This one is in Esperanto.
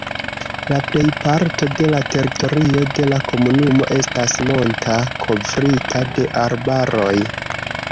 La plejparto de la teritorio de la komunumo estas monta, kovrita de arbaroj.